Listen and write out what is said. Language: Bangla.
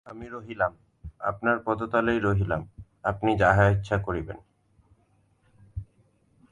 আমি রহিলাম–আপনার পদতলেই রহিলাম, আপনি যাহা ইচ্ছা করিবেন।